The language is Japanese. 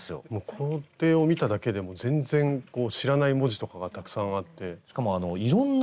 工程を見ただけでも全然知らない文字とかがたくさんあって。ね？